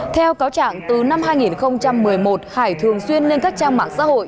theo cáo trạng từ năm hai nghìn một mươi một hải thường xuyên lên các trang mạng xã hội